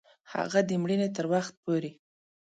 هغه د مړینې تر وخت پوري